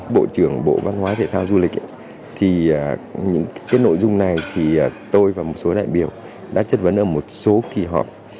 bộ trưởng bộ văn hóa thể thao du lịch thì những nội dung này thì tôi và một số đại biểu đã chất vấn ở một số kỳ họp